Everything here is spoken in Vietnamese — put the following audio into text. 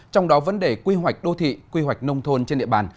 trong đó vấn đề quy hoạch đô thị quy hoạch nông thôn trên địa bàn